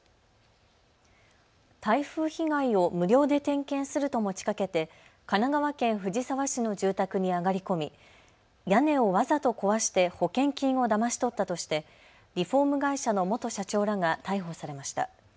台風被害を無料で点検すると持ちかけて神奈川県藤沢市の住宅に上がり込み屋根をわざと壊して保険金をだまし取ったとしてリフォーム会社の元社長らが逮捕されました。